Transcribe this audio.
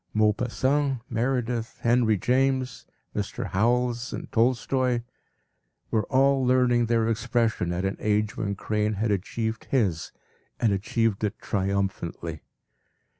Maupassant, Meredith, Henry James, Mr. Howells and Tolstoy, were all learning their expression at an age where Crane had achieved his and achieved it triumphantly.